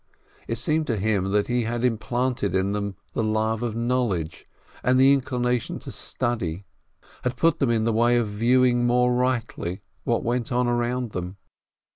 It seemed to him that he had implanted in them the love of knowledge and the inclination to study, had put them in the way of viewing more rightly what went on around them.